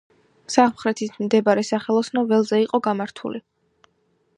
სამხრეთით მდებარე სახელოსნო ველზე იყო გამართული.